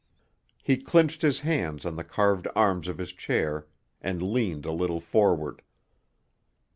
He clinched his hands on the carved arms of his chair and leaned a little forward.